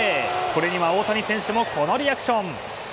これには大谷選手もこのリアクション。